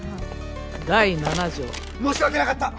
「第七条」申し訳なかった！